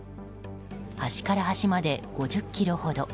端から端まで５０ｋｍほど。